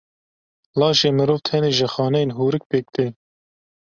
Laşê mirov tenê ji xaneyên hûrik pêk tê.